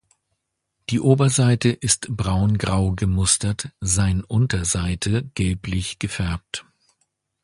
Die Oberseite ist braun grau gemustert, sein Unterseite gelblich gefärbt.